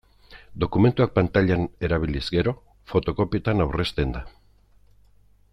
Dokumentuak pantailan erabiliz gero, fotokopietan aurrezten da.